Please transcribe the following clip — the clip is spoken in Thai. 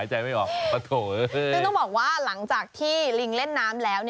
ซึ่งต้องบอกว่าหลังจากที่ลิงเล่นน้ำแล้ว